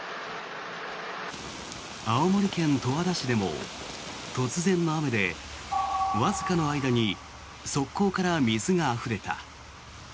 青森県十和田市でも突然の雨で、わずかな間に側溝から水があふれた。